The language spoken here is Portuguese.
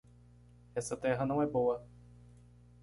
Essa terra não é boa.